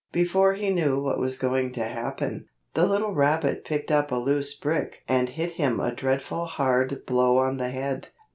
Before he knew what was going to happen, the little rabbit picked up a loose brick and hit him a dreadful hard blow on the head.